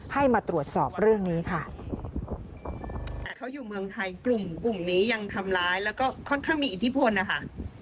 ให้มาตรวจสอบเรื่องนี้ค่ะแต่เขาอยู่เมืองไทยกลุ่มกลุ่มนี้ยังทำร้ายแล้วก็ค่อนข้างมีอิทธิพลนะคะ